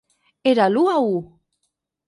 Era l’u a u.